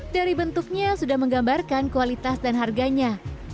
dari bentuknya sudah menggambarkan kualitas dan harganya